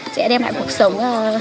sẽ đem lại cuộc sống